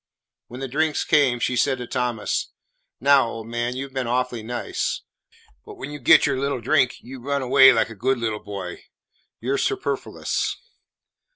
When the drinks came, she said to Thomas, "Now, old man, you 've been awfully nice, but when you get your little drink, you run away like a good little boy. You 're superfluous."